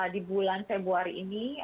di bulan februari ini